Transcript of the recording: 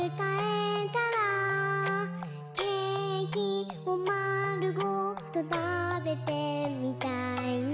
「ケーキをまるごとたべてみたいな」